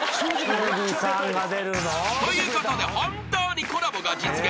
［ということで本当にコラボが実現］